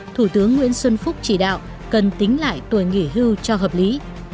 thủ tướng nguyễn xuân phúc chỉ đạo cần tính lại tuổi nghỉ hưu cho hợp lý